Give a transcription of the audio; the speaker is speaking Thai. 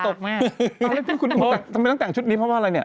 ทำไมต้องแต่งชุดนี้เพราะว่าอะไรเนี่ย